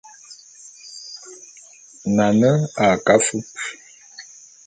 Nane a ke afúp.